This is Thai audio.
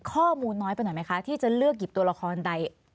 ข้อมูลน้อยไปหน่อยไหมคะที่จะเลือกหยิบตัวละครใด